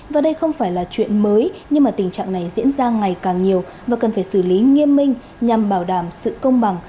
và đây không phải là chuyện mới nhưng tình trạng này diễn ra ngày càng nhiều và cần phải xử lý nghiêm minh nhằm bảo đảm sự công bằng